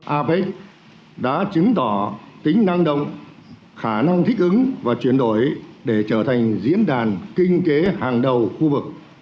apec đã chứng tỏ tính năng động khả năng thích ứng và chuyển đổi để trở thành diễn đàn kinh tế hàng đầu khu vực